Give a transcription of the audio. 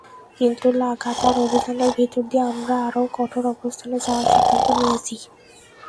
কিন্তু লাগাতার অভিযানের ভেতর দিয়ে আমরা আরও কঠোর অবস্থানে যাওয়ার সিদ্ধান্ত নিয়েছি।